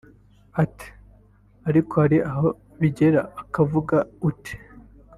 Ati “ Ariko hari aho bigera ukavuga uti